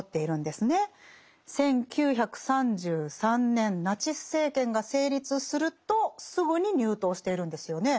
１９３３年ナチス政権が成立するとすぐに入党しているんですよね。